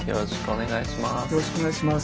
よろしくお願いします。